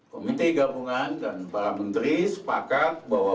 komite gabungan dan para menteri sepakat bahwa